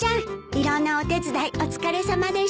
いろんなお手伝いお疲れさまでした。